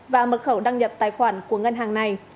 và mật khẩu đăng nhập tài khoản của ngân hàng này